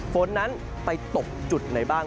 ฝนนั้นไปตกจุดไหนบ้าง